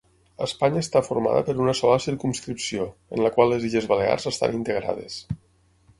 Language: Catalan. Espanya està formada per una sola circumscripció, en la qual les Illes Balears estan integrades.